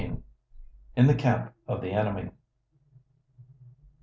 IN THE CAMP OF THE ENEMY.